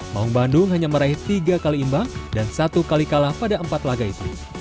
maung bandung hanya meraih tiga kali imbang dan satu kali kalah pada empat laga itu